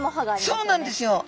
そうなんですよ。